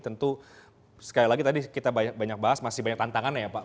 tentu sekali lagi tadi kita banyak bahas masih banyak tantangannya ya pak